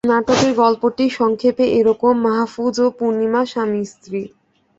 নাটকের গল্পটি সংক্ষেপে এ রকম মাহফুজ ও পূর্ণিমা স্বামী স্ত্রী।